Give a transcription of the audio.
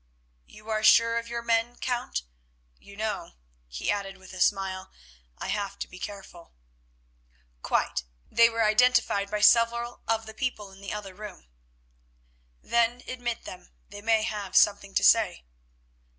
"You are sure of your men, Count? You know," he added, with a smile, "I have to be careful." "Quite, they were identified by several of the people in the other room." "Then admit them, they may have something to say."